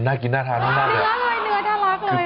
น่ากินหน้าถ้านี่